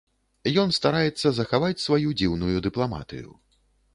Ён стараецца захаваць сваю дзіўную дыпламатыю.